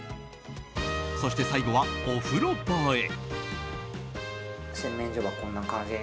そして最後は、お風呂場へ。